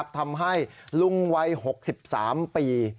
ทำให้ลุงวัย๖๓ปี